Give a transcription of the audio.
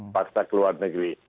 paksa keluar negeri